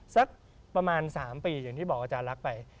สักประมาณ๓ปีอย่างที่บอกอาจารย์รักไป